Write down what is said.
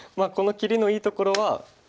この切りのいいところは。